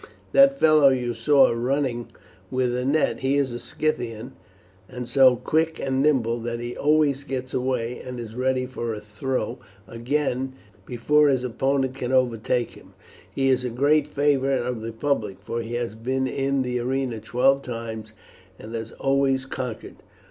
That fellow you saw running with a net, he is a Scythian, and so quick and nimble that he always gets away, and is ready for a throw again before his opponent can overtake him. He is a great favourite of the public, for he has been in the arena twelve times and has always conquered."